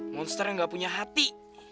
monster yang gak punya hati